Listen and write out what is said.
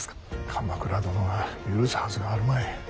鎌倉殿が許すはずがあるまい。